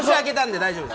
大丈夫です。